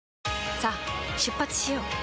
さあ出発しよう。